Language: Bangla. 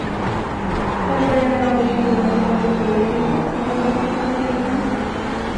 তার পরে আমি আমাদের সেই বনে-জঙ্গলে চলিয়া যাইব, কাহারো কাছে কিছুই চাহিব না।